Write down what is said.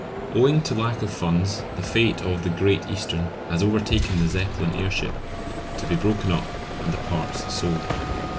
_] Owing to lack of funds the fate of the "Great Eastern" has overtaken the Zeppelin airship to be broken up, and the parts sold.